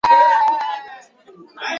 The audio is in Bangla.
ইংরেজিতে এটি ক্যান্টন নদী নামেও পরিচিত ছিল।